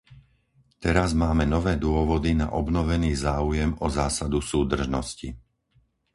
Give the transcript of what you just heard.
Teraz máme nové dôvody na obnovený záujem o zásadu súdržnosti.